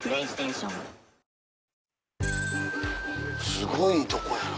すごいとこやな。